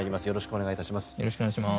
よろしくお願いします。